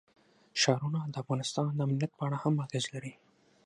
ښارونه د افغانستان د امنیت په اړه هم اغېز لري.